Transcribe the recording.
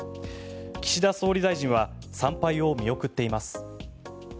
岸田総理大臣は参拝を見送っています。